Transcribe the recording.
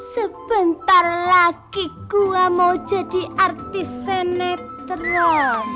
sebentar lagi gua mau jadi artis senetro